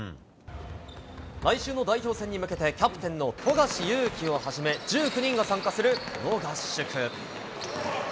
来週の代表選に向けて、キャプテンの富樫勇樹をはじめ、１９人が参加するこの合宿。